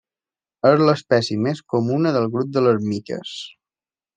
És l'espècie més comuna del grup de les miques.